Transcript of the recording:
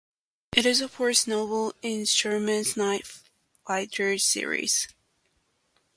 It is the fourth novel in Sherman's Night Fighter Series.